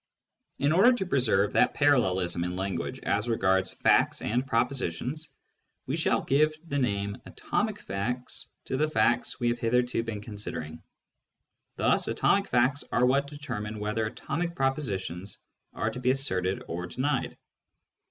In order to preserve the parallelism in language as regards facts and propositions, we shall give the name "atomic facts" to the facts we have hitherto been considering. Thus atomic facts are what determine whether atomic propositions are to be asserted or denied.